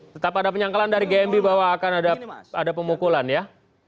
tetap ada penyangkalan dari gmb bahwa akan ada pemukulan ya